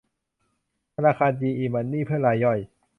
ธนาคารจีอี มันนี่ เพื่อรายย่อย